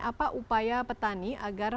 apa upaya petani agar